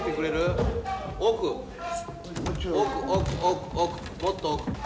奥奥奥奥もっと奥。